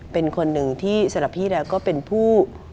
เป็นคนหนึ่งที่สำหรับพี่แล้วก็เป็นผู้